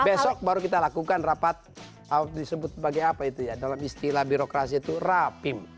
besok baru kita lakukan rapat disebut sebagai apa itu ya dalam istilah birokrasi itu rapim